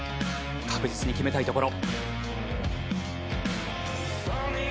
確実に決めたいところ。